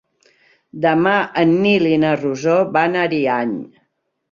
Demà en Nil i na Rosó van a Ariany.